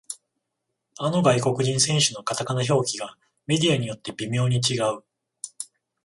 あの外国人選手のカタカナ表記がメディアによって微妙に違う